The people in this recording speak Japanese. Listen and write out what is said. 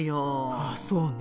ああそうね。